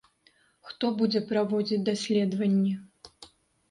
Хто будзе праводзіць даследаванні?